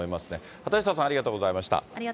畑下さん、ありがとうございました。